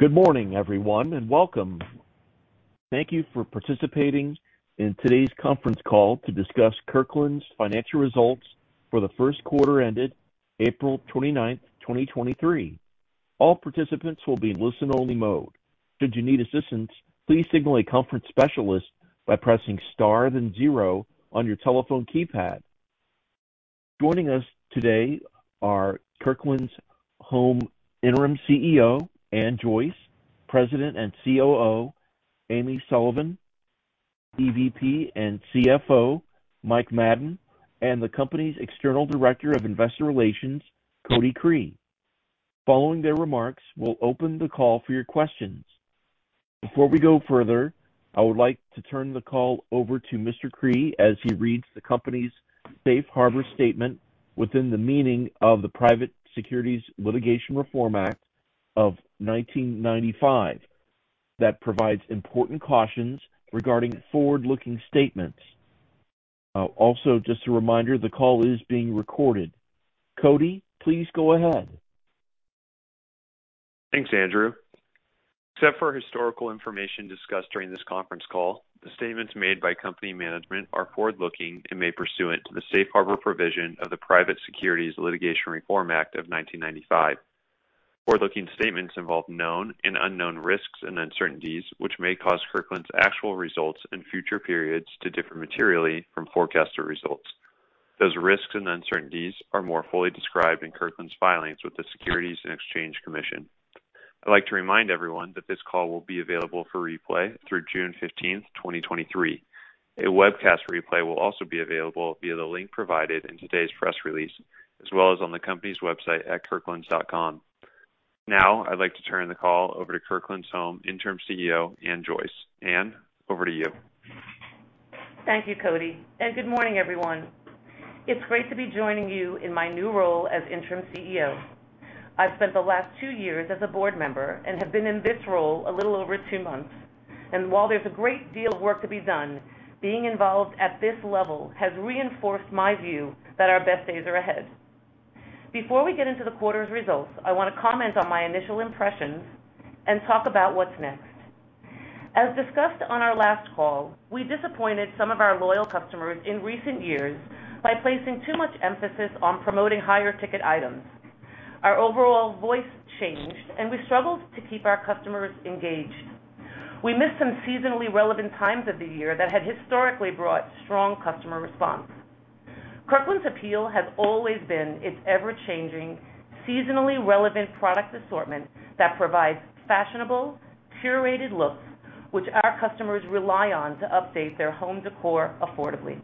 Good morning, everyone, and welcome. Thank you for participating in today's conference call to discuss Kirkland's Financial Results for the first quarter ended April 29, 2023. All participants will be in listen-only mode. Should you need assistance, please signal a conference specialist by pressing Star then zero on your telephone keypad. Joining us today are Kirkland's Home Interim CEO, Ann Joyce, President and COO, Amy Sullivan, EVP and CFO, Mike Madden, and the company's External Director of Investor Relations, Cody Cree. Following their remarks, we'll open the call for your questions. Before we go further, I would like to turn the call over to Mr. Cree as he reads the company's Safe Harbor statement within the meaning of the Private Securities Litigation Reform Act of 1995. Also, just a reminder, the call is being recorded. Cody, please go ahead. Thanks, Andrew. Except for historical information discussed during this conference call, the statements made by company management are forward-looking and may pursuant to the Safe Harbor provision of the Private Securities Litigation Reform Act of 1995. Forward-looking statements involve known and unknown risks and uncertainties, which may cause Kirkland's actual results in future periods to differ materially from forecaster results. Those risks and uncertainties are more fully described in Kirkland's filings with the Securities and Exchange Commission. I'd like to remind everyone that this call will be available for replay through June 15th, 2023. A webcast replay will also be available via the link provided in today's press release, as well as on the company's website at kirklands.com. I'd like to turn the call over to Kirkland's Home, Interim CEO, Ann Joyce. Ann, over to you. Thank you, Cody, and good morning, everyone. It's great to be joining you in my new role as Interim CEO. I've spent the last two years as a board member and have been in this role a little over two months. While there's a great deal of work to be done, being involved at this level has reinforced my view that our best days are ahead. Before we get into the quarter's results, I want to comment on my initial impressions and talk about what's next. As discussed on our last call, we disappointed some of our loyal customers in recent years by placing too much emphasis on promoting higher ticket items. Our overall voice changed and we struggled to keep our customers engaged. We missed some seasonally relevant times of the year that had historically brought strong customer response. Kirkland's appeal has always been its ever-changing, seasonally relevant product assortment that provides fashionable, curated looks, which our customers rely on to update their home decor affordably.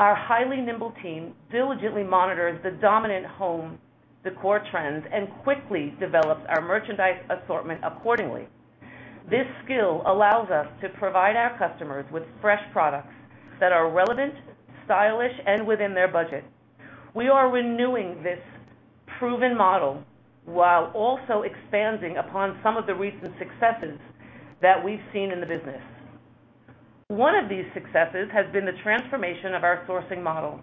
Our highly nimble team diligently monitors the dominant home decor trends and quickly develops our merchandise assortment accordingly. This skill allows us to provide our customers with fresh products that are relevant, stylish, and within their budget. We are renewing this proven model while also expanding upon some of the recent successes that we've seen in the business. One of these successes has been the transformation of our sourcing model,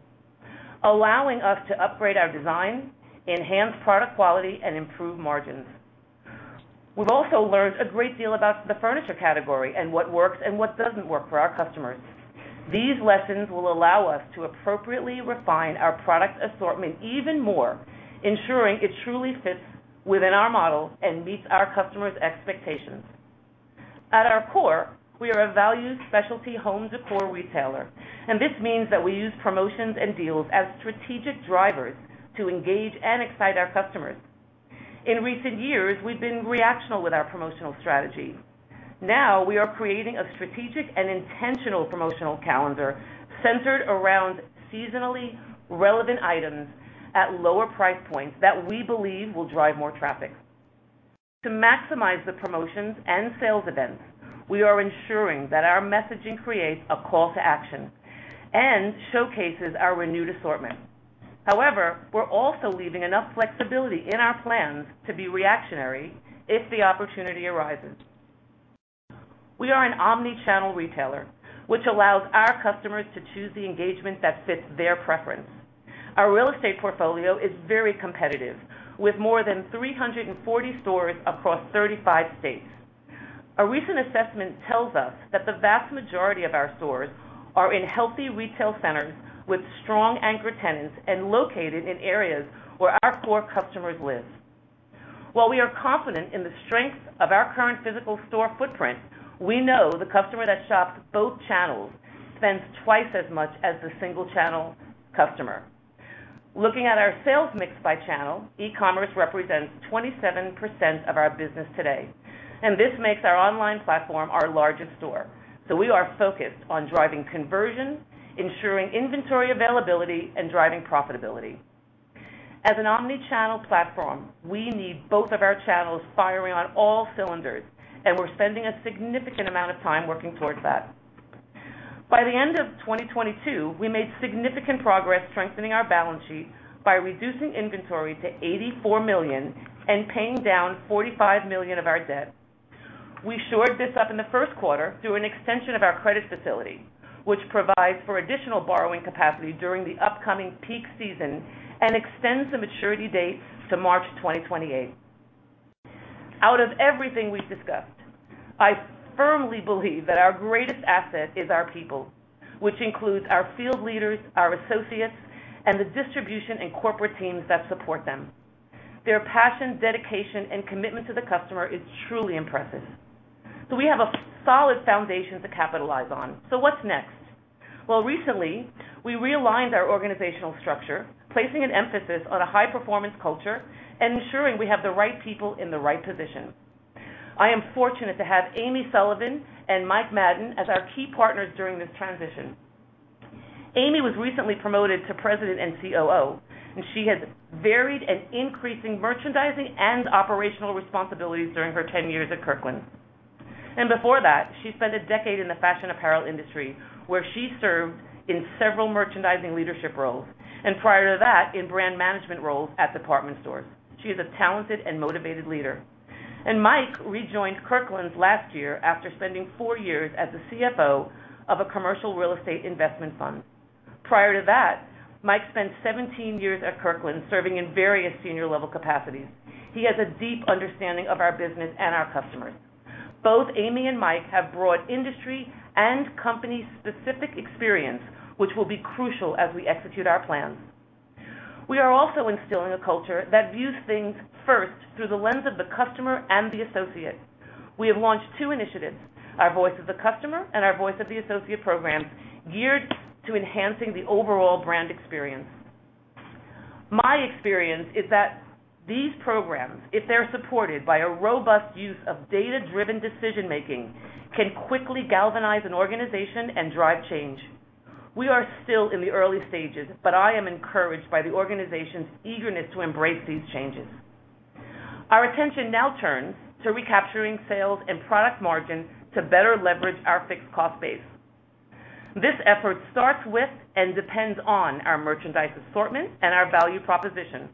allowing us to upgrade our design, enhance product quality, and improve margins. We've also learned a great deal about the furniture category and what works and what doesn't work for our customers. These lessons will allow us to appropriately refine our product assortment even more, ensuring it truly fits within our model and meets our customers' expectations. At our core, we are a valued specialty home decor retailer. This means that we use promotions and deals as strategic drivers to engage and excite our customers. In recent years, we've been reactional with our promotional strategy. Now, we are creating a strategic and intentional promotional calendar centered around seasonally relevant items at lower price points that we believe will drive more traffic. To maximize the promotions and sales events, we are ensuring that our messaging creates a call to action and showcases our renewed assortment. However, we're also leaving enough flexibility in our plans to be reactionary if the opportunity arises. We are an omni-channel retailer, which allows our customers to choose the engagement that fits their preference. Our real estate portfolio is very competitive, with more than 340 stores across 35 states. A recent assessment tells us that the vast majority of our stores are in healthy retail centers with strong anchor tenants and located in areas where our core customers live. While we are confident in the strength of our current physical store footprint, we know the customer that shops both channels spends twice as much as the single-channel customer. Looking at our sales mix by channel, e-commerce represents 27% of our business today, and this makes our online platform our largest store. We are focused on driving conversion, ensuring inventory availability, and driving profitability. As an omni-channel platform, we need both of our channels firing on all cylinders, and we're spending a significant amount of time working towards that. By the end of 2022, we made significant progress strengthening our balance sheet by reducing inventory to $84 million and paying down $45 million of our debt. We shored this up in the first quarter through an extension of our credit facility, which provides for additional borrowing capacity during the upcoming peak season and extends the maturity date to March 2028. Out of everything we've discussed, I firmly believe that our greatest asset is our people, which includes our field leaders, our associates, and the distribution and corporate teams that support them. Their passion, dedication, and commitment to the customer is truly impressive. We have a solid foundation to capitalize on. What's next? Well, recently, we realigned our organizational structure, placing an emphasis on a high-performance culture and ensuring we have the right people in the right positions. I am fortunate to have Amy Sullivan and Mike Madden as our key partners during this transition. Amy was recently promoted to President and COO, and she has varied and increasing merchandising and operational responsibilities during her tenure 10 years at Kirkland's. Before that, she spent a decade in the fashion apparel industry, where she served in several merchandising leadership roles, and prior to that, in brand management roles at department stores. She is a talented and motivated leader. Mike rejoined Kirkland's last year after spending four years as the CFO of a commercial real estate investment fund. Prior to that, Mike spent 17 years at Kirkland's, serving in various senior-level capacities. He has a deep understanding of our business and our customers. Both Amy and Mike have brought industry and company-specific experience, which will be crucial as we execute our plans. We are also instilling a culture that views things first through the lens of the customer and the associate. We have launched two initiatives: our Voice of the Customer and our Voice of the Associate programs, geared to enhancing the overall brand experience. My experience is that these programs, if they're supported by a robust use of data-driven decision-making, can quickly galvanize an organization and drive change. We are still in the early stages, but I am encouraged by the organization's eagerness to embrace these changes. Our attention now turns to recapturing sales and product margin to better leverage our fixed cost base. This effort starts with and depends on our merchandise assortment and our value proposition.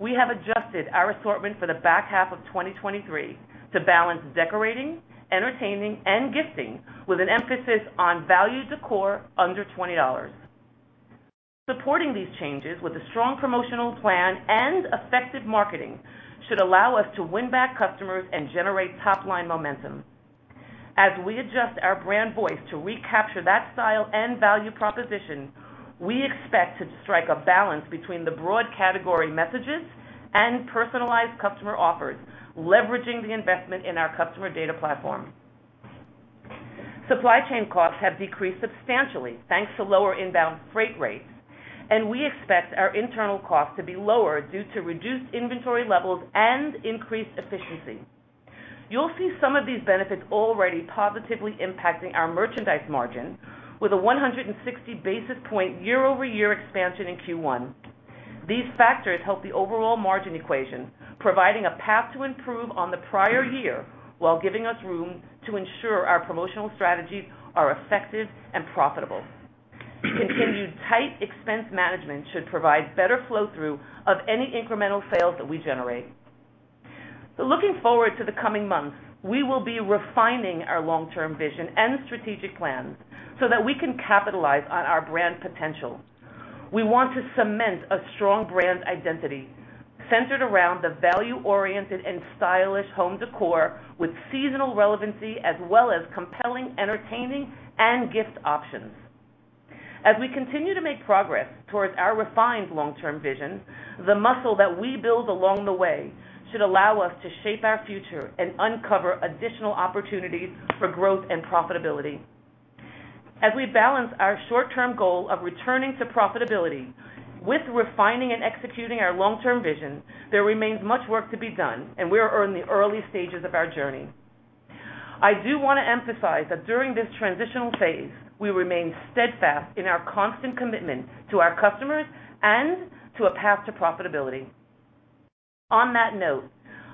We have adjusted our assortment for the back half of 2023 to balance decorating, entertaining, and gifting, with an emphasis on value decor under $20. Supporting these changes with a strong promotional plan and effective marketing should allow us to win back customers and generate top-line momentum. As we adjust our brand voice to recapture that style and value proposition, we expect to strike a balance between the broad category messages and personalized customer offers, leveraging the investment in our customer data platform. Supply chain costs have decreased substantially, thanks to lower inbound freight rates, and we expect our internal costs to be lower due to reduced inventory levels and increased efficiency. You'll see some of these benefits already positively impacting our merchandise margin with a 160 basis point year-over-year expansion in Q1. These factors help the overall margin equation, providing a path to improve on the prior year, while giving us room to ensure our promotional strategies are effective and profitable. Continued tight expense management should provide better flow-through of any incremental sales that we generate. Looking forward to the coming months, we will be refining our long-term vision and strategic plans so that we can capitalize on our brand potential. We want to cement a strong brand identity centered around the value-oriented and stylish home décor with seasonal relevancy, as well as compelling, entertaining, and gift options. As we continue to make progress towards our refined long-term vision, the muscle that we build along the way should allow us to shape our future and uncover additional opportunities for growth and profitability. As we balance our short-term goal of returning to profitability with refining and executing our long-term vision, there remains much work to be done, and we are in the early stages of our journey. I do wanna emphasize that during this transitional phase, we remain steadfast in our constant commitment to our customers and to a path to profitability. On that note,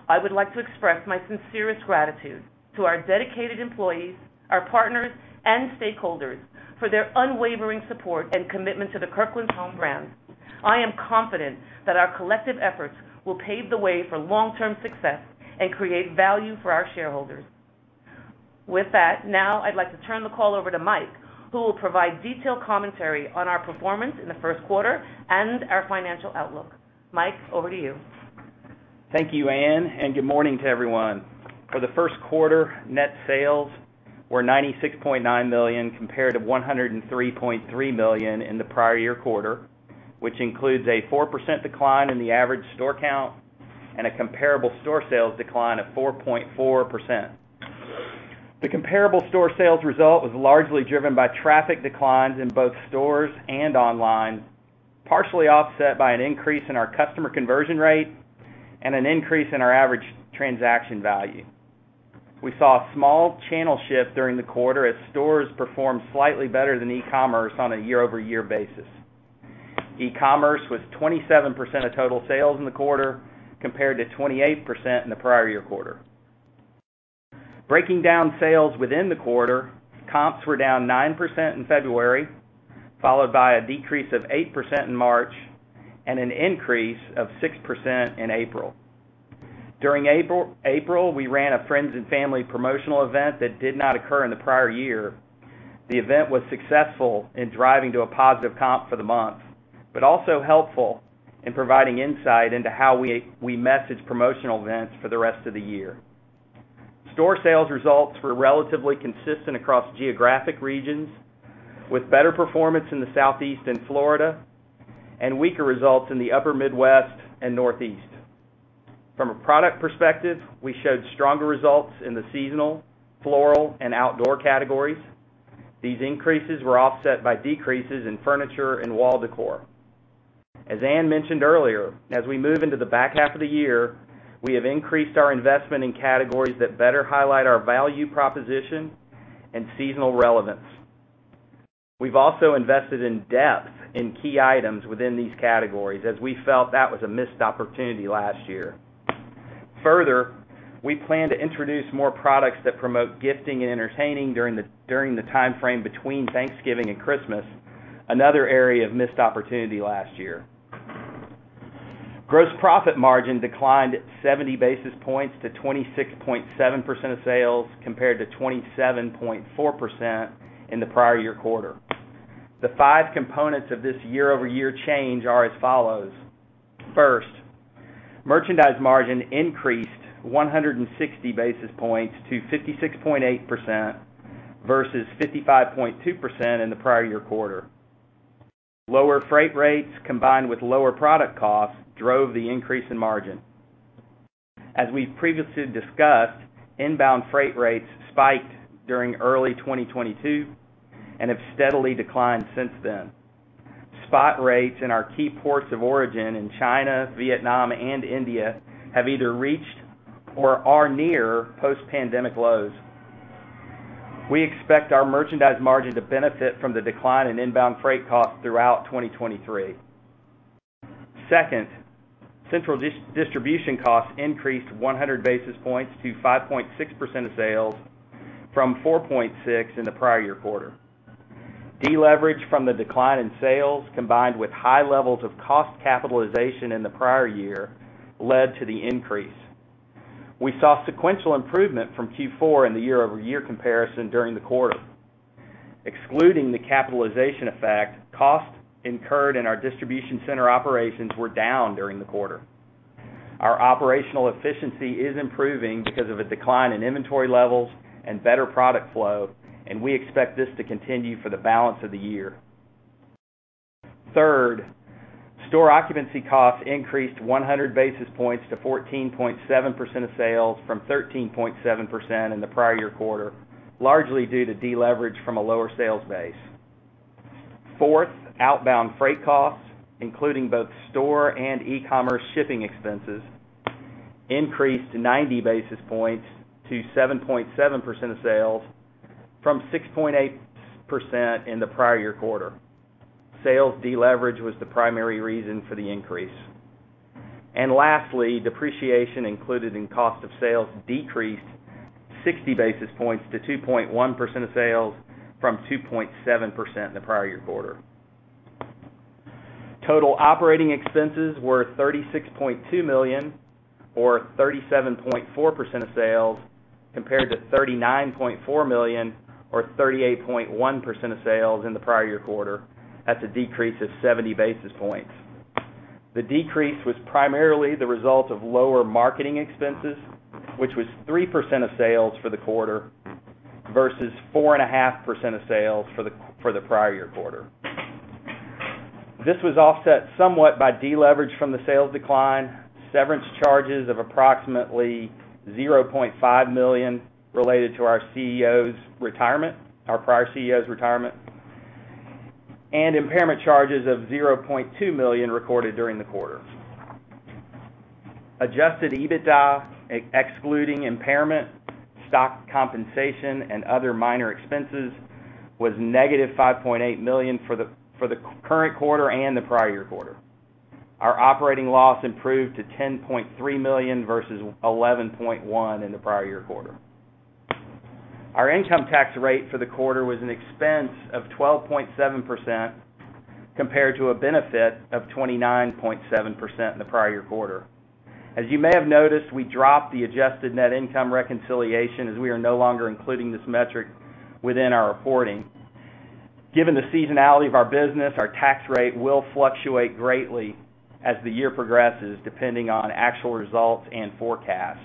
I would like to express my sincerest gratitude to our dedicated employees, our partners, and stakeholders for their unwavering support and commitment to the Kirkland's Home brand. I am confident that our collective efforts will pave the way for long-term success and create value for our shareholders. With that, now I'd like to turn the call over to Mike, who will provide detailed commentary on our performance in the first quarter and our financial outlook. Mike, over to you. Thank you, Ann, and good morning to everyone. For the first quarter, net sales were $96.9 million, compared to $103.3 million in the prior year quarter, which includes a 4% decline in the average store count and a comparable store sales decline of 4.4%. The comparable store sales result was largely driven by traffic declines in both stores and online, partially offset by an increase in our customer conversion rate and an increase in our average transaction value. We saw a small channel shift during the quarter as stores performed slightly better than e-commerce on a year-over-year basis. E-commerce was 27% of total sales in the quarter, compared to 28% in the prior year quarter. Breaking down sales within the quarter, comps were down 9% in February,... followed by a decrease of 8% in March and an increase of 6% in April. During April, we ran a Friends & Family promotional event that did not occur in the prior year. The event was successful in driving to a positive comp for the month, but also helpful in providing insight into how we message promotional events for the rest of the year. Store sales results were relatively consistent across geographic regions, with better performance in the Southeast and Florida, and weaker results in the Upper Midwest and Northeast. From a product perspective, we showed stronger results in the seasonal, floral, and outdoor categories. These increases were offset by decreases in furniture and wall decor. As Ann mentioned earlier, as we move into the back half of the year, we have increased our investment in categories that better highlight our value proposition and seasonal relevance. We've also invested in depth in key items within these categories, as we felt that was a missed opportunity last year. Further, we plan to introduce more products that promote gifting and entertaining during the time frame between Thanksgiving and Christmas, another area of missed opportunity last year. Gross profit margin declined 70 basis points to 26.7% of sales, compared to 27.4% in the prior year quarter. The five components of this year-over-year change are as follows: First, merchandise margin increased 160 basis points to 56.8% versus 55.2% in the prior year quarter. Lower freight rates, combined with lower product costs, drove the increase in margin. As we've previously discussed, inbound freight rates spiked during early 2022, and have steadily declined since then. Spot rates in our key ports of origin in China, Vietnam, and India have either reached or are near post-pandemic lows. We expect our merchandise margin to benefit from the decline in inbound freight costs throughout 2023. Second, central distribution costs increased 100 basis points to 5.6% of sales from 4.6% in the prior year quarter. Deleveraged from the decline in sales, combined with high levels of cost capitalization in the prior year, led to the increase. We saw sequential improvement from Q4 in the year-over-year comparison during the quarter. Excluding the capitalization effect, costs incurred in our distribution center operations were down during the quarter. Our operational efficiency is improving because of a decline in inventory levels and better product flow, and we expect this to continue for the balance of the year. Third, store occupancy costs increased 100 basis points to 14.7% of sales from 13.7% in the prior year quarter, largely due to deleverage from a lower sales base. Fourth, outbound freight costs, including both store and e-commerce shipping expenses, increased 90 basis points to 7.7% of sales from 6.8% in the prior year quarter. Sales deleverage was the primary reason for the increase. Lastly, depreciation included in cost of sales decreased 60 basis points to 2.1% of sales from 2.7% in the prior year quarter. Total operating expenses were $36.2 million, or 37.4% of sales, compared to $39.4 million, or 38.1% of sales in the prior year quarter, that's a decrease of 70 basis points. The decrease was primarily the result of lower marketing expenses, which was 3% of sales for the quarter versus 4.5% of sales for the prior year quarter. This was offset somewhat by deleverage from the sales decline, severance charges of approximately $0.5 million related to our CEO's retirement, our prior CEO's retirement, and impairment charges of $0.2 million recorded during the quarter. Adjusted EBITDA, excluding impairment, stock compensation, and other minor expenses, was -$5.8 million for the current quarter and the prior year quarter. Our operating loss improved to $10.3 million versus $11.1 million in the prior year quarter. Our income tax rate for the quarter was an expense of 12.7%, compared to a benefit of 29.7% in the prior year quarter. As you may have noticed, we dropped the adjusted net income reconciliation, as we are no longer including this metric within our reporting. Given the seasonality of our business, our tax rate will fluctuate greatly as the year progresses, depending on actual results and forecasts.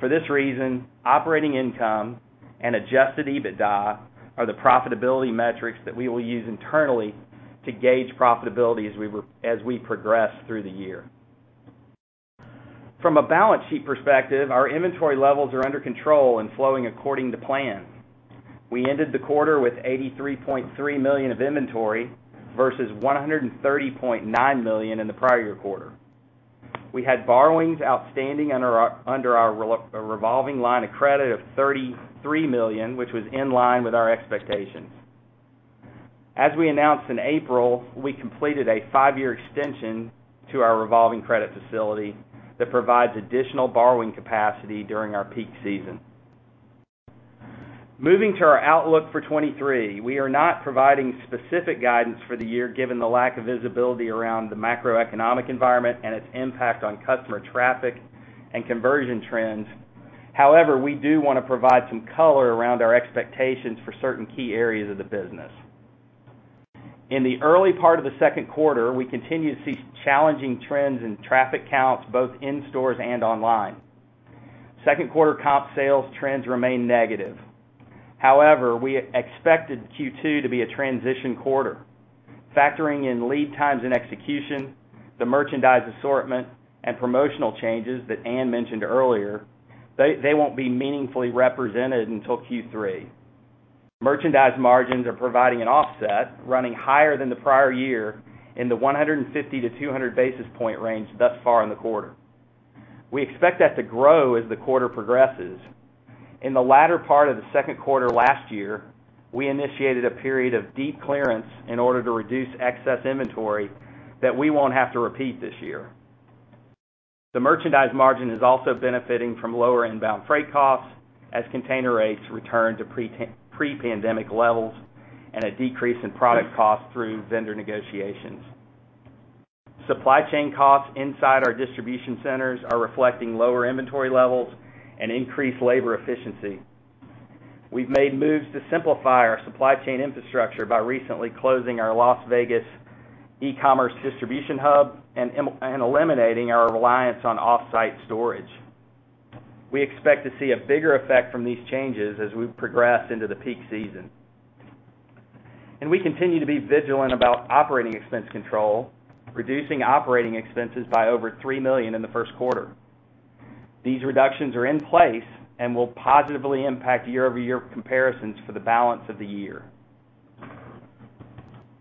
For this reason, operating income and Adjusted EBITDA are the profitability metrics that we will use internally to gauge profitability as we progress through the year. From a balance sheet perspective, our inventory levels are under control and flowing according to plan. We ended the quarter with $83.3 million of inventory versus $130.9 million in the prior year quarter. We had borrowings outstanding under our revolving line of credit of $33 million, which was in line with our expectations. As we announced in April, we completed a five-year extension to our revolving credit facility that provides additional borrowing capacity during our peak season. Moving to our outlook for 2023, we are not providing specific guidance for the year, given the lack of visibility around the macroeconomic environment and its impact on customer traffic and conversion trends. However, we do want to provide some color around our expectations for certain key areas of the business. In the early part of the second quarter, we continued to see challenging trends in traffic counts, both in stores and online. Second quarter comp sales trends remain negative. However, we expected Q2 to be a transition quarter. Factoring in lead times and execution, the merchandise assortment, and promotional changes that Ann mentioned earlier, they won't be meaningfully represented until Q3. Merchandise margins are providing an offset, running higher than the prior year in the 150 to 200 basis point range thus far in the quarter. We expect that to grow as the quarter progresses. In the latter part of the second quarter last year, we initiated a period of deep clearance in order to reduce excess inventory that we won't have to repeat this year. The merchandise margin is also benefiting from lower inbound freight costs, as container rates return to pre-pandemic levels and a decrease in product costs through vendor negotiations. Supply chain costs inside our distribution centers are reflecting lower inventory levels and increased labor efficiency. We've made moves to simplify our supply chain infrastructure by recently closing our Las Vegas e-commerce distribution hub and eliminating our reliance on off-site storage. We expect to see a bigger effect from these changes as we progress into the peak season. We continue to be vigilant about operating expense control, reducing operating expenses by over $3 million in the first quarter. These reductions are in place and will positively impact year-over-year comparisons for the balance of the year.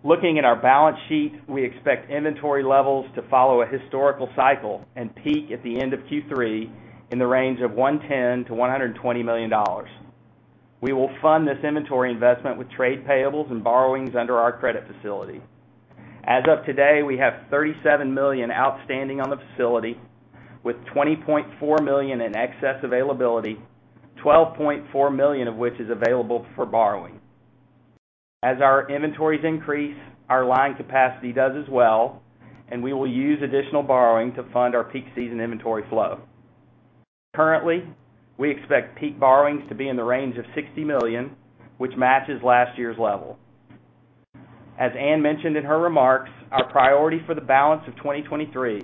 Looking at our balance sheet, we expect inventory levels to follow a historical cycle and peak at the end of Q3 in the range of $110 million-$120 million. We will fund this inventory investment with trade payables and borrowings under our credit facility. As of today, we have $37 million outstanding on the facility, with $20.4 million in excess availability, $12.4 million of which is available for borrowing. Our inventories increase, our line capacity does as well, and we will use additional borrowing to fund our peak season inventory flow. Currently, we expect peak borrowings to be in the range of $60 million, which matches last year's level. Ann mentioned in her remarks, our priority for the balance of 2023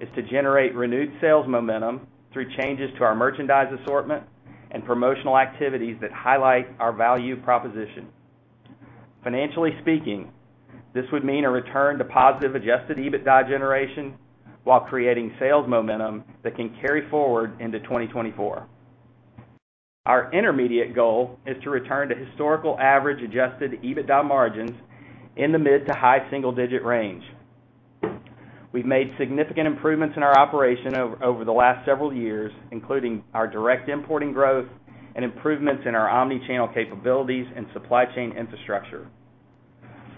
is to generate renewed sales momentum through changes to our merchandise assortment and promotional activities that highlight our value proposition. Financially speaking, this would mean a return to positive Adjusted EBITDA generation, while creating sales momentum that can carry forward into 2024. Our intermediate goal is to return to historical average Adjusted EBITDA margins in the mid to high single digit range. We've made significant improvements in our operation over the last several years, including our direct importing growth and improvements in our omni-channel capabilities and supply chain infrastructure.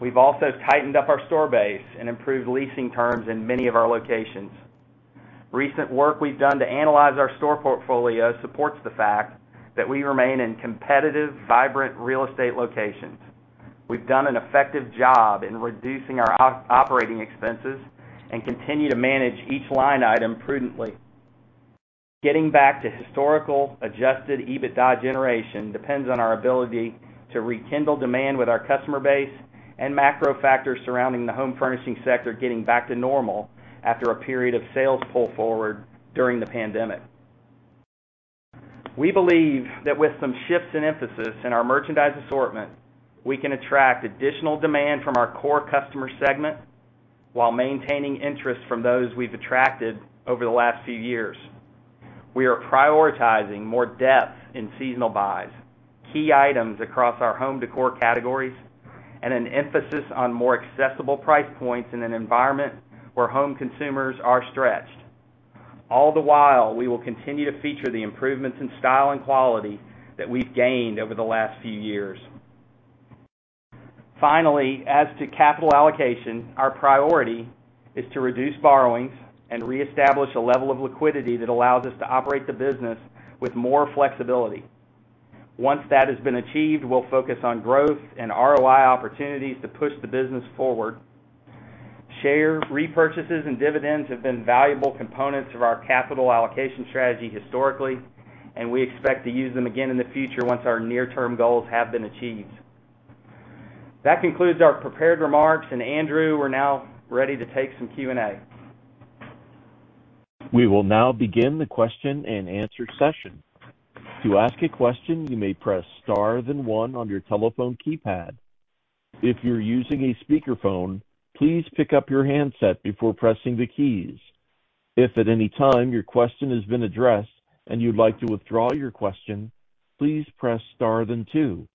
We've also tightened up our store base and improved leasing terms in many of our locations. Recent work we've done to analyze our store portfolio supports the fact that we remain in competitive, vibrant real estate locations. We've done an effective job in reducing our operating expenses and continue to manage each line item prudently. Getting back to historical Adjusted EBITDA generation depends on our ability to rekindle demand with our customer base and macro factors surrounding the home furnishing sector, getting back to normal after a period of sales pull forward during the pandemic. We believe that with some shifts in emphasis in our merchandise assortment, we can attract additional demand from our core customer segment while maintaining interest from those we've attracted over the last few years. We are prioritizing more depth in seasonal buys, key items across our home decor categories, and an emphasis on more accessible price points in an environment where home consumers are stretched. All the while, we will continue to feature the improvements in style and quality that we've gained over the last few years. Finally, as to capital allocation, our priority is to reduce borrowings and reestablish a level of liquidity that allows us to operate the business with more flexibility. Once that has been achieved, we'll focus on growth and ROI opportunities to push the business forward. Share repurchases and dividends have been valuable components of our capital allocation strategy historically, and we expect to use them again in the future once our near-term goals have been achieved. That concludes our prepared remarks. Andrew, we're now ready to take some Q&A. We will now begin the question-and-answer session. To ask a question, you may press star, then one on your telephone keypad. If you're using a speakerphone, please pick up your handset before pressing the keys. If at any time your question has been addressed and you'd like to withdraw your question, please press star, then two.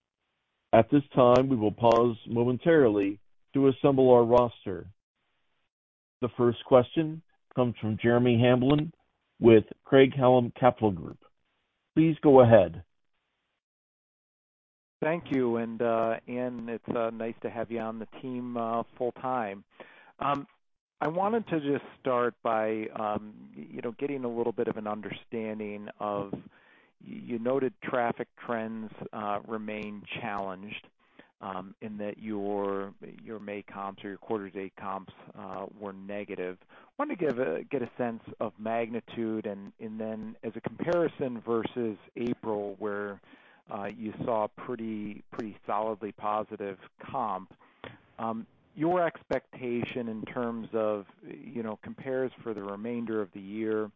At this time, we will pause momentarily to assemble our roster. The first question comes from Jeremy Hamblin with Craig-Hallum Capital Group. Please go ahead. Thank you. Ann, it's nice to have you on the team full-time. I wanted to just start by, you know, getting a little bit of an understanding of, you noted traffic trends remain challenged, in that your May comps or your quarter to date comps were negative. Wanted to get a sense of magnitude, and then as a comparison versus April, where you saw pretty solidly positive comp. Your expectation in terms of, you know, compares for the remainder of the year,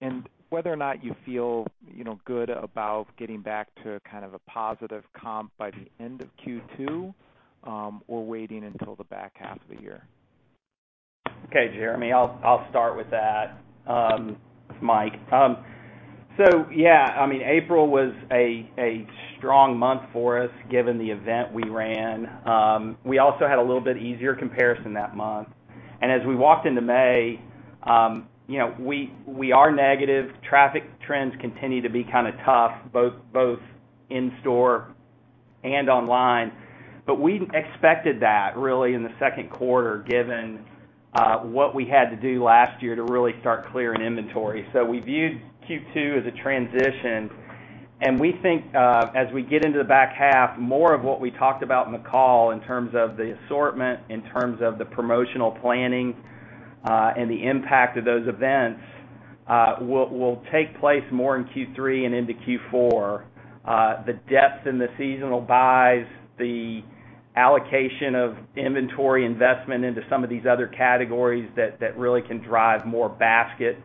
and whether or not you feel, you know, good about getting back to kind of a positive comp by the end of Q2, or waiting until the back half of the year? Okay, Jeremy, I'll start with that. Mike. Yeah, I mean, April was a strong month for us, given the event we ran. We also had a little bit easier comparison that month. As we walked into May, you know, we are negative. Traffic trends continue to be kind of tough, both in store and online. We expected that really in the second quarter, given what we had to do last year to really start clearing inventory. We viewed Q2 as a transition, and we think, as we get into the back half, more of what we talked about in the call, in terms of the assortment, in terms of the promotional planning, and the impact of those events, will take place more in Q3 and into Q4. The depth in the seasonal buys, the allocation of inventory investment into some of these other categories that really can drive more basket,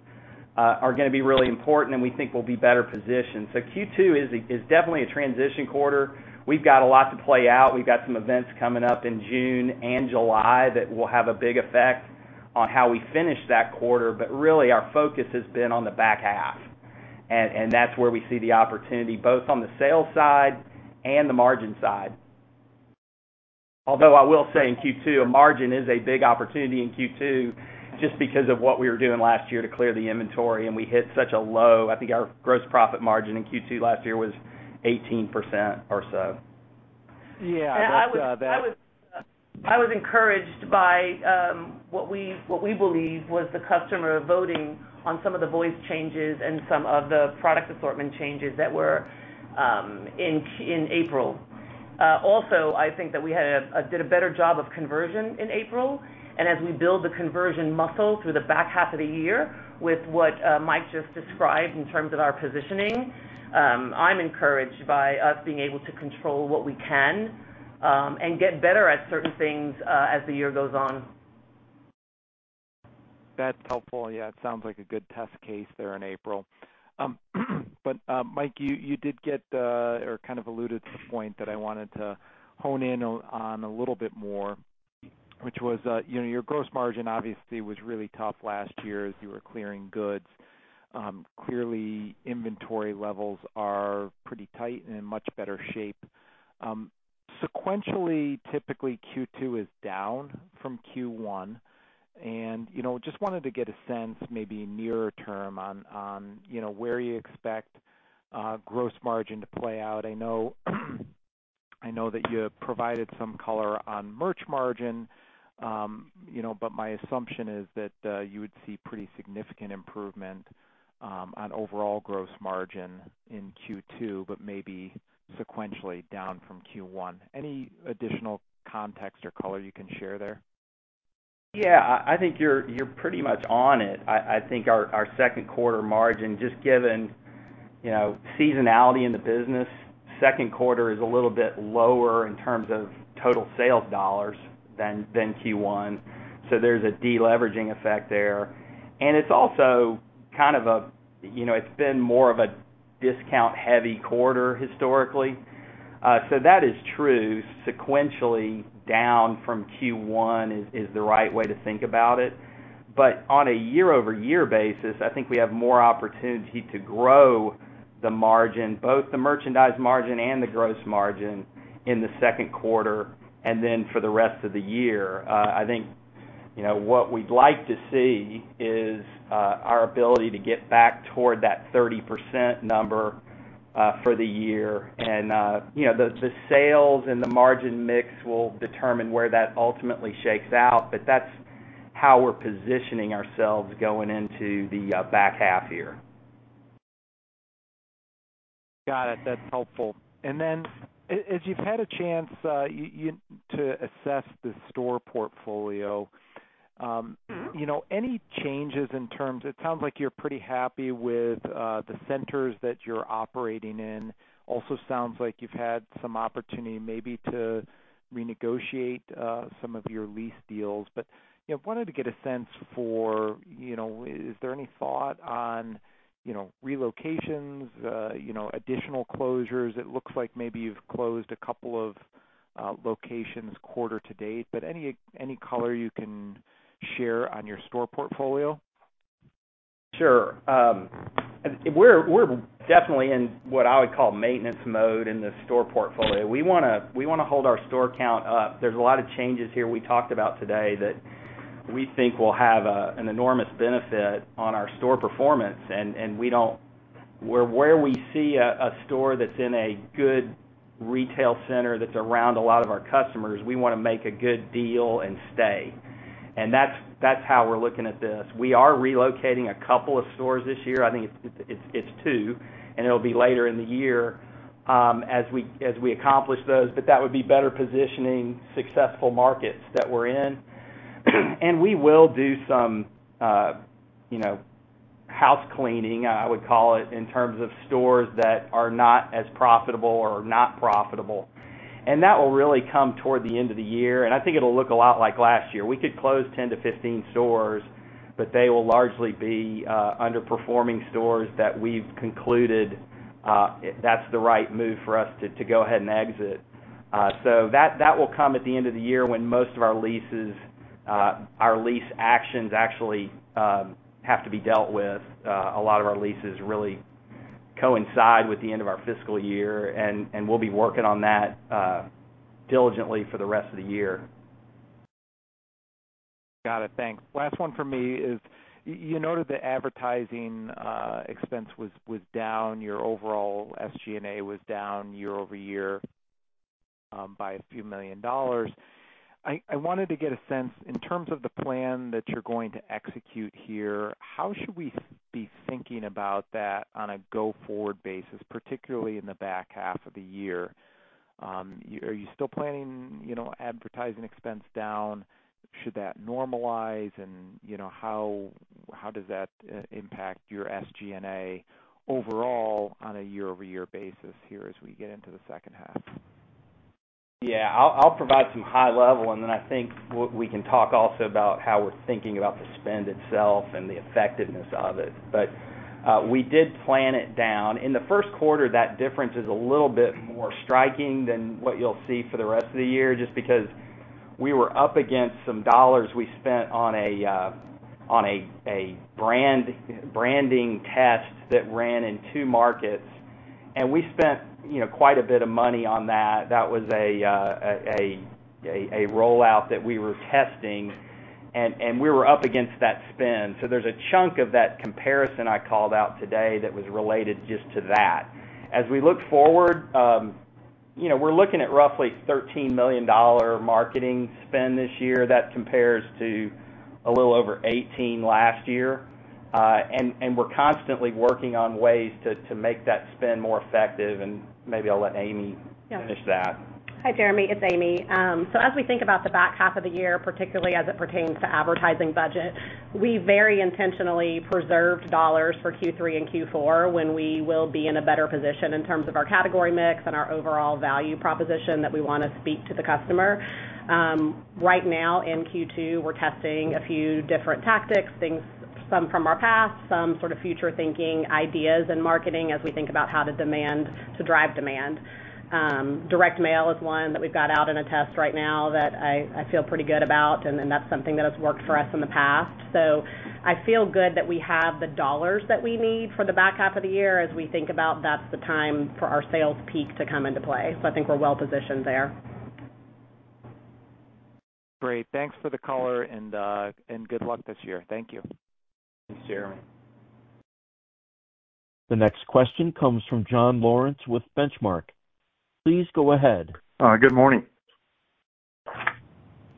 are gonna be really important, and we think we'll be better positioned. Q2 is definitely a transition quarter. We've got a lot to play out. We've got some events coming up in June and July that will have a big effect on how we finish that quarter. Really, our focus has been on the back half, and that's where we see the opportunity, both on the sales side and the margin side. I will say in Q2, a margin is a big opportunity in Q2, just because of what we were doing last year to clear the inventory, and we hit such a low. I think our gross profit margin in Q2 last year was 18% or so. Yeah, that's. I was encouraged by what we believe was the customer voting on some of the voice changes and some of the product assortment changes that were in April. Also, I think that we did a better job of conversion in April, and as we build the conversion muscle through the back half of the year, with what Mike just described in terms of our positioning, I'm encouraged by us being able to control what we can and get better at certain things as the year goes on. That's helpful. Yeah, it sounds like a good test case there in April. Mike, you did get the or kind of alluded to the point that I wanted to hone in on a little bit more, which was, you know, your gross margin obviously was really tough last year as you were clearing goods. Clearly, inventory levels are pretty tight and in much better shape. Sequentially, typically, Q2 is down from Q1, you know, just wanted to get a sense, maybe nearer term, on, you know, where you expect gross margin to play out. I know that you have provided some color on merch margin, you know, my assumption is that you would see pretty significant improvement on overall gross margin in Q2, but maybe sequentially down from Q1. Any additional context or color you can share there? Yeah, I think you're pretty much on it. I think our second quarter margin, just given, you know, seasonality in the business, second quarter is a little bit lower in terms of total sales dollars than Q1, so there's a deleveraging effect there. It's also kind of a, you know, it's been more of a discount-heavy quarter historically. That is true. Sequentially, down from Q1 is the right way to think about it. On a year-over-year basis, I think we have more opportunity to grow the margin, both the merchandise margin and the gross margin, in the second quarter, and then for the rest of the year. I think, you know, what we'd like to see is our ability to get back toward that 30% number for the year. You know, the sales and the margin mix will determine where that ultimately shakes out, but that's how we're positioning ourselves going into the back half year. Got it. That's helpful. Then, as you've had a chance, you to assess the store portfolio, you know, any changes in terms. It sounds like you're pretty happy with the centers that you're operating in. Also sounds like you've had some opportunity maybe to renegotiate some of your lease deals. You know, wanted to get a sense for, you know, is there any thought on, you know, relocations, you know, additional closures? It looks like maybe you've closed a couple of locations quarter to date, but any color you can share on your store portfolio? Sure. We're definitely in what I would call maintenance mode in the store portfolio. We wanna hold our store count up. There's a lot of changes here we talked about today that we think will have an enormous benefit on our store performance. Where we see a store that's in a good retail center that's around a lot of our customers, we wanna make a good deal and stay. That's how we're looking at this. We are relocating a couple of stores this year. I think it's 2, and it'll be later in the year, as we accomplish those. That would be better positioning successful markets that we're in. We will do some, you know, house cleaning, I would call it, in terms of stores that are not as profitable or not profitable. That will really come toward the end of the year, and I think it'll look a lot like last year. We could close 10-15 stores, but they will largely be underperforming stores that we've concluded that's the right move for us to go ahead and exit. That will come at the end of the year when most of our leases, our lease actions actually have to be dealt with. A lot of our leases really coincide with the end of our fiscal year, and we'll be working on that diligently for the rest of the year. Got it. Thanks. Last one for me is, you noted the advertising expense was down. Your overall SG&A was down year-over-year by a few million dollars. I wanted to get a sense, in terms of the plan that you're going to execute here, how should we be thinking about that on a go-forward basis, particularly in the back half of the year? Are you still planning, you know, advertising expense down? Should that normalize? You know, how does that impact your SG&A overall on a year-over-year basis here as we get into the second half? I'll provide some high level, and then I think we can talk also about how we're thinking about the spend itself and the effectiveness of it. We did plan it down. In the first quarter, that difference is a little bit more striking than what you'll see for the rest of the year, just because we were up against some dollars we spent on a branding test that ran in two markets, and we spent, you know, quite a bit of money on that. That was a rollout that we were testing, and we were up against that spend. There's a chunk of that comparison I called out today that was related just to that. As we look forward, you know, we're looking at roughly $13 million marketing spend this year. That compares to a little over 18 last year. We're constantly working on ways to make that spend more effective, and maybe I'll let Amy-. Yeah. finish that. Hi, Jeremy, it's Amy. As we think about the back half of the year, particularly as it pertains to advertising budget, we very intentionally preserved dollars for Q3 and Q4, when we will be in a better position in terms of our category mix and our overall value proposition that we wanna speak to the customer. Right now, in Q2, we're testing a few different tactics, some from our past, some sort of future thinking, ideas, and marketing as we think about how to drive demand. Direct mail is one that we've got out in a test right now that I feel pretty good about, and that's something that has worked for us in the past. I feel good that we have the dollars that we need for the back half of the year as we think about that's the time for our sales peak to come into play. I think we're well positioned there. Great. Thanks for the color and good luck this year. Thank you. Thanks, Jeremy. The next question comes from John Lawrence with Benchmark. Please go ahead. Good morning.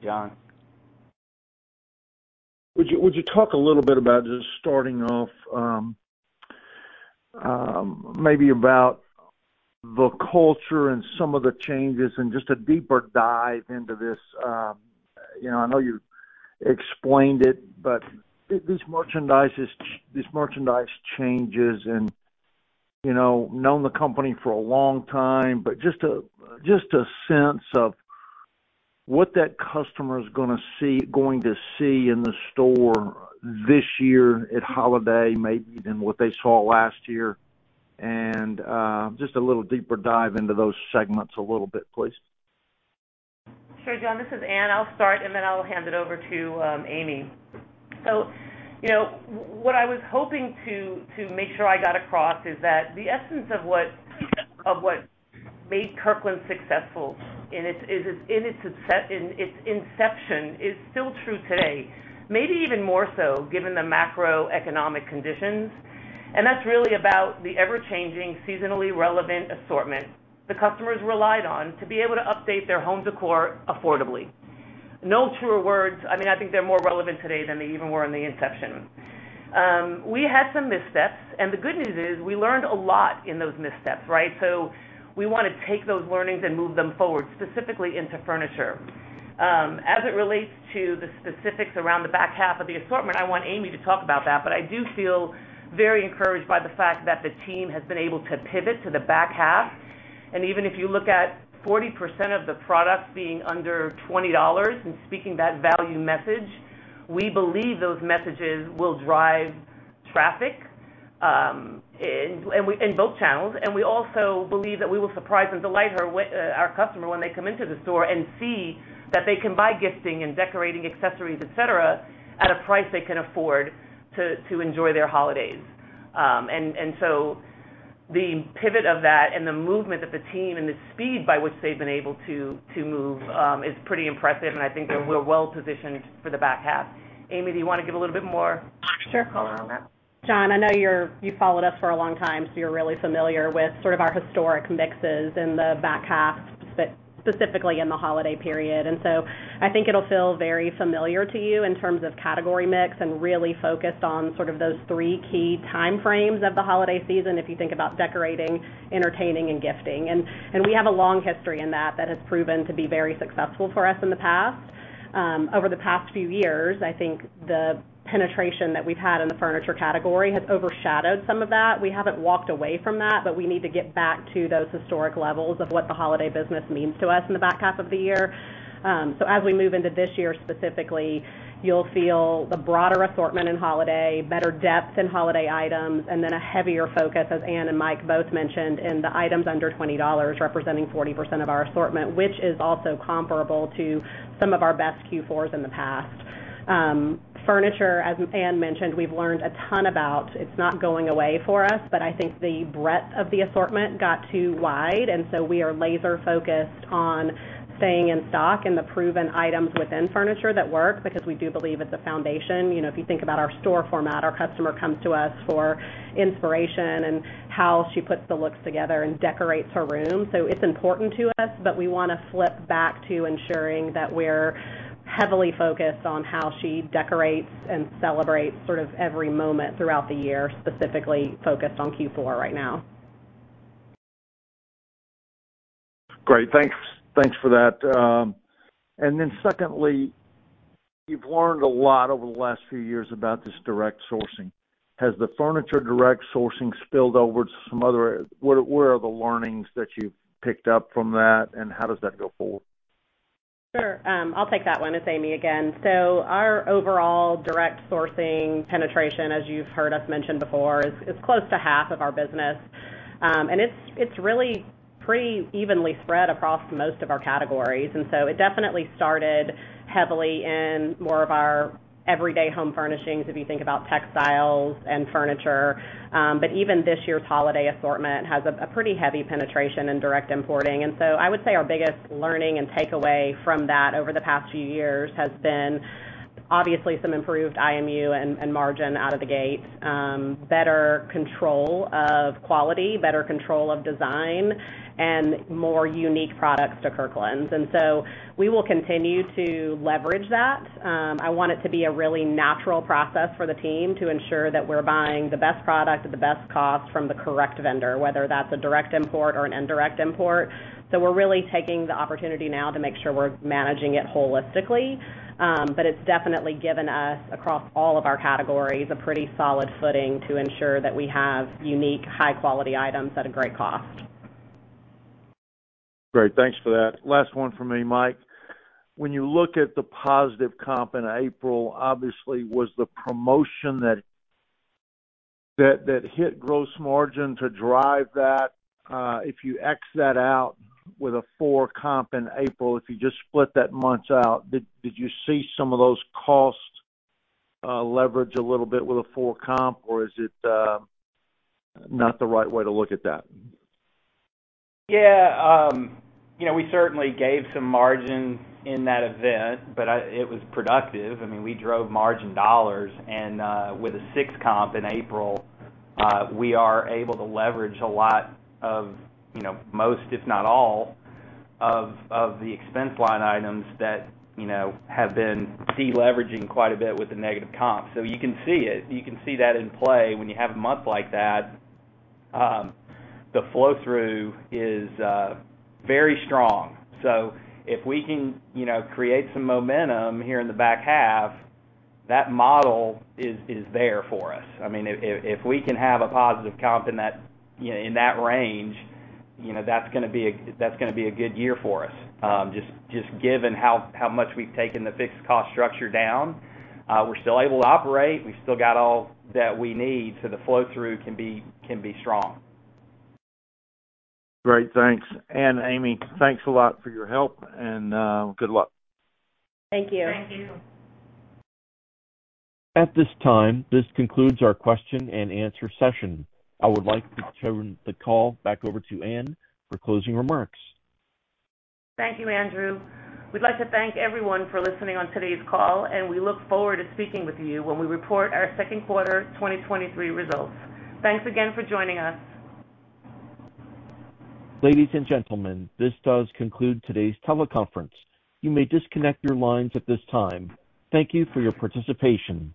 John. Would you talk a little bit about just starting off, maybe about the culture and some of the changes and just a deeper dive into this? You know, I know you explained it, but this merchandise changes and, you know, known the company for a long time, but just a, just a sense of what that customer's going to see in the store this year at holiday, maybe than what they saw last year, and just a little deeper dive into those segments a little bit, please. Sure, John, this is Ann. I'll start, and then I'll hand it over to Amy. You know, what I was hoping to make sure I got across is that the essence of what made Kirkland's successful in its inception is still true today, maybe even more so given the macroeconomic conditions. That's really about the ever-changing, seasonally relevant assortment the customers relied on to be able to update their home decor affordably. No truer words. I mean, I think they're more relevant today than they even were in the inception. We had some missteps, and the good news is we learned a lot in those missteps, right? We wanna take those learnings and move them forward, specifically into furniture. As it relates to the specifics around the back half of the assortment, I want Amy to talk about that. I do feel very encouraged by the fact that the team has been able to pivot to the back half. Even if you look at 40% of the products being under $20 and speaking that value message, we believe those messages will drive traffic in both channels. We also believe that we will surprise and delight our customer when they come into the store and see that they can buy gifting and decorating accessories, et cetera, at a price they can afford to enjoy their holidays.... the pivot of that and the movement of the team and the speed by which they've been able to move, is pretty impressive, and I think that we're well positioned for the back half. Amy, do you wanna give a little bit more... Sure. Color on that? John, I know you've followed us for a long time, so you're really familiar with sort of our historic mixes in the back half, but specifically in the holiday period. I think it'll feel very familiar to you in terms of category mix and really focused on sort of those 3 key time frames of the holiday season, if you think about decorating, entertaining, and gifting. We have a long history in that that has proven to be very successful for us in the past. Over the past few years, I think the penetration that we've had in the furniture category has overshadowed some of that. We haven't walked away from that, but we need to get back to those historic levels of what the holiday business means to us in the back half of the year. As we move into this year, specifically, you'll feel a broader assortment in holiday, better depth in holiday items, and then a heavier focus, as Ann and Mike both mentioned, in the items under $20, representing 40% of our assortment, which is also comparable to some of our best Q4s in the past. Furniture, as Ann mentioned, we've learned a ton about. It's not going away for us, but I think the breadth of the assortment got too wide, we are laser focused on staying in stock in the proven items within furniture that work, because we do believe it's a foundation. You know, if you think about our store format, our customer comes to us for inspiration and how she puts the looks together and decorates her room. It's important to us, but we wanna flip back to ensuring that we're heavily focused on how she decorates and celebrates sort of every moment throughout the year, specifically focused on Q4 right now. Great. Thanks, thanks for that. Secondly, you've learned a lot over the last few years about this direct sourcing. Has the furniture direct sourcing spilled over? Where are the learnings that you've picked up from that, and how does that go forward? Sure, I'll take that one. It's Amy again. Our overall direct sourcing penetration, as you've heard us mention before, is close to half of our business. It's really pretty evenly spread across most of our categories. It definitely started heavily in more of our everyday home furnishings, if you think about textiles and furniture. But even this year's holiday assortment has a pretty heavy penetration in direct importing. I would say our biggest learning and takeaway from that over the past few years has been, obviously, some improved IMU and margin out of the gate, better control of quality, better control of design, and more unique products to Kirkland's. We will continue to leverage that. I want it to be a really natural process for the team to ensure that we're buying the best product at the best cost from the correct vendor, whether that's a direct import or an indirect import. We're really taking the opportunity now to make sure we're managing it holistically. It's definitely given us, across all of our categories, a pretty solid footing to ensure that we have unique, high-quality items at a great cost. Great, thanks for that. Last one from me, Mike. When you look at the positive comp in April, obviously, was the promotion that hit gross margin to drive that? If you X that out with a 4 comp in April, if you just split that month out, did you see some of those costs leverage a little bit with a 4 comp, or is it not the right way to look at that? Yeah, you know, we certainly gave some margin in that event, but it was productive. I mean, we drove margin dollars, and with a 6 comp in April, we are able to leverage a lot of, you know, most, if not all of the expense line items that, you know, have been deleveraging quite a bit with the negative comp. You can see it. You can see that in play when you have a month like that, the flow-through is very strong. If we can, you know, create some momentum here in the back half, that model is there for us. I mean, if we can have a positive comp in that, you know, in that range, you know, that's gonna be a good year for us. Just given how much we've taken the fixed cost structure down, we're still able to operate, we've still got all that we need, so the flow-through can be strong. Great, thanks. Ann, Amy, thanks a lot for your help, and good luck. Thank you. Thank you. At this time, this concludes our question and answer session. I would like to turn the call back over to Ann for closing remarks. Thank you, Andrew. We'd like to thank everyone for listening on today's call, and we look forward to speaking with you when we report our second quarter 2023 results. Thanks again for joining us. Ladies and gentlemen, this does conclude today's teleconference. You may disconnect your lines at this time. Thank you for your participation.